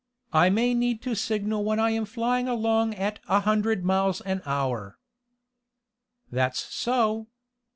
I may need to signal when I am flying along at a hundred miles an hour." "That's so.